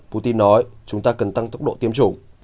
putin nói chúng ta cần tăng tốc độ tiêm chủng